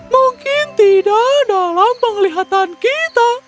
mungkin tidak dalam penglihatan kita